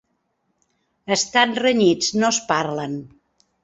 Estan renyits: no es parlen.